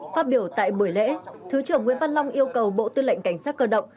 phát biểu tại buổi lễ thứ trưởng nguyễn văn long yêu cầu bộ tư lệnh cảnh sát cơ động